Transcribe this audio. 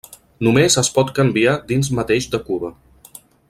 Només es pot canviar dins mateix de Cuba.